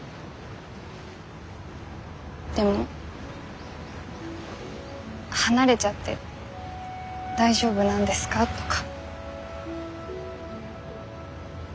でも離れちゃって大丈夫なんですかとか。